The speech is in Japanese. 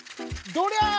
どりゃ！